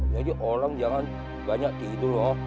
jadi orang jangan banyak tidur